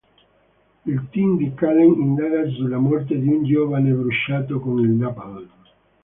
Il team di Callen indaga sulla morte di un giovane bruciato con il napalm.